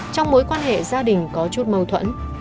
trong mối quan hệ gia đình có chút mâu thuẫn